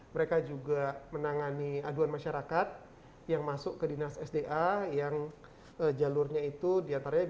mereka juga menangani aduan masyarakat yang masuk ke dinas sda yang jalurnya itu di antaranya bisa diangkat